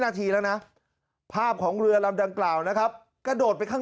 นาทีแล้วนะภาพของเรือลำดังกล่าวนะครับกระโดดไปข้าง